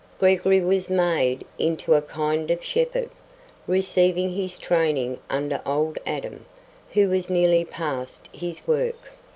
Gregory was made into a kind of shepherd, receiving his training under old Adam, who was nearly past his work.